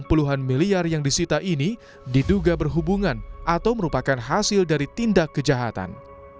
puluhan miliar yang disita ini diduga berhubungan atau merupakan hasil dari tindak kejahatan